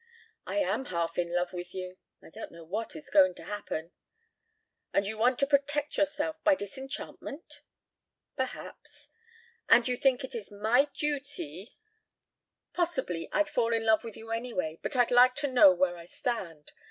"I am half in love with you. I don't know what is going to happen " "And you want to protect yourself by disenchantment?" "Perhaps." "And you think it is my duty ..." "Possibly I'd fall in love with you anyway, but I'd like to know where I stand.